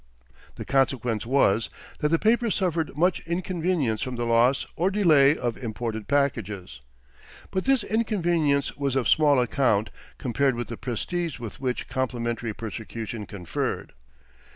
The consequence was that the paper suffered much inconvenience from the loss or delay of imported packages. But this inconvenience was of small account compared with the prestige which such complimentary persecution conferred.